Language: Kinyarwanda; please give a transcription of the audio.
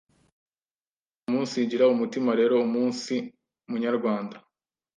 Umunsigira umutima rero, umunsi Munyarwanda,